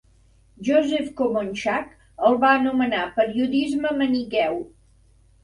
Joseph Komonchak el va anomenar periodisme maniqueu.